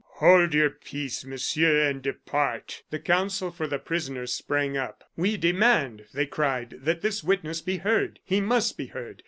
Hold your peace, Monsieur, and depart!" The counsel for the prisoner sprang up. "We demand," they cried, "that this witness be heard. He must be heard!